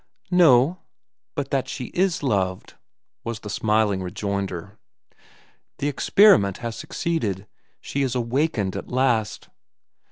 "No, but that she is loved," was the smiling rejoinder. "The experiment has succeeded. She is awakened at last."